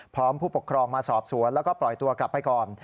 ผู้ปกครองมาสอบสวนแล้วก็ปล่อยตัวกลับไปก่อน